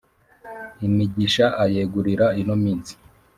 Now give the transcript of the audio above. imigisha ayegurira ino minsi